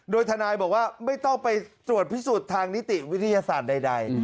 โดยทนายบอกว่าไม่ต้องไปตรวจพิสูจน์ทางนิติวิทยาศาสตร์ใด